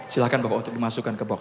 silahkan bapak untuk dimasukkan ke bapak